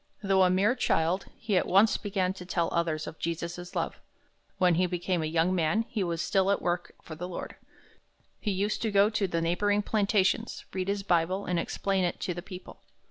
Though a mere child, he at once began to tell others of Jesus' love. When he became a young man, he was still at work for the Lord. He used to go to the neighboring plantations, read his Bible, and explain it to the people.